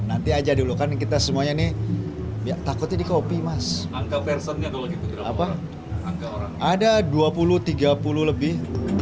ada dua puluh tiga puluh lebih